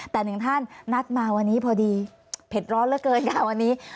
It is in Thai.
แต่หนึ่งท่านนัดมาวันนี้พอดีเผ็ดร้อนเหลือเกินค่ะวันนี้